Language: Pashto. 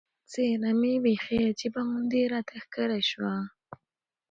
څېره مې بیخي عجیبه غوندې راته ښکاره شوه.